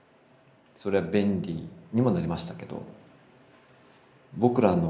そりゃ便利にもなりましたけど。